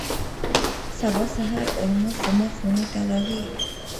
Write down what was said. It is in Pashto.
سبا سهار هولمز زما خونې ته راغی.